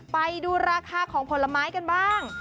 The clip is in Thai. ไปดูราคาของผลไม้กันบ้าง